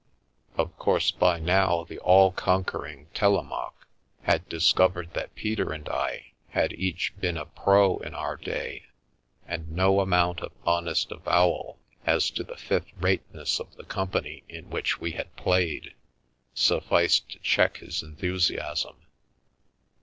Of course by now the all conquering Telemaque had dis covered that Peter and I had each been a " pro " in our day, and no amount of honest avowal as to the fifth rate ness of the company in which we had played, sufficed to check his enthusiasm.